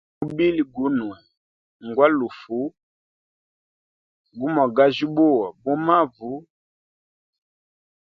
Mubili Gunwe ngwalufu, gumwagajyubuwa bu mavu.